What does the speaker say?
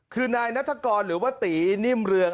คือนายนัฐกรหรือว่าตีนิ่มเรือง